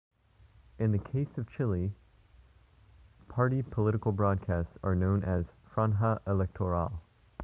In the case of Chile, party political broadcast are known as "Franja Electoral".